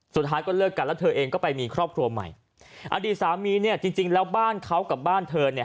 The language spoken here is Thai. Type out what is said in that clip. สุดท้ายก็เลิกกันแล้วเธอเองก็ไปมีครอบครัวใหม่อดีตสามีเนี่ยจริงจริงแล้วบ้านเขากับบ้านเธอเนี่ย